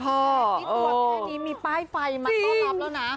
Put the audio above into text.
ที่ตัวแค่นี้มีป้ายไฟมาต้อนรับแล้วนะ